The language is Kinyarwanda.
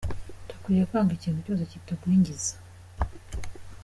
Dukwiye kwanga ikintu cyose kitugwingiza